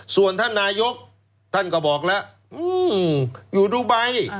ส่วนท่านนายกท่านก็บอกแล้วอยู่ดูไบ